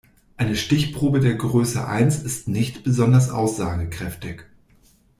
Eine Stichprobe der Größe eins ist nicht besonders aussagekräftig.